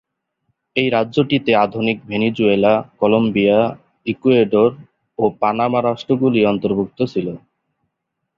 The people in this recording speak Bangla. এই রাজ্যটিতে আধুনিক ভেনেজুয়েলা, কলম্বিয়া, ইকুয়েডর ও পানামা রাষ্ট্রগুলি অন্তর্ভুক্ত ছিল।